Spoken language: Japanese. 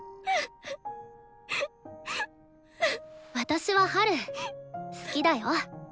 私はハル好きだよ。